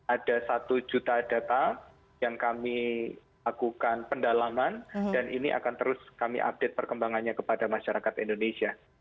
ada satu juta data yang kami lakukan pendalaman dan ini akan terus kami update perkembangannya kepada masyarakat indonesia